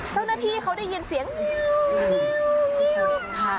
เจ้าหน้าที่เขาได้ยินเสียงเงียวเงียวเงียว